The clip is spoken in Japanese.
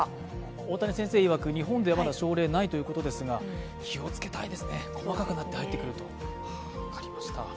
大谷先生いわく、日本ではまだ症例はないということですが、気をつけたいですね、細かくなって入ってくると。